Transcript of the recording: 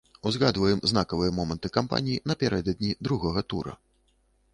Узгадваем знакавыя моманты кампаніі напярэдадні другога тура.